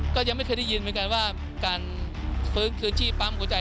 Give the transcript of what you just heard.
ก็ยังไม่เคยได้ยินเหมือนกันว่าการเพิ่งชีพปรัมห์กุจัย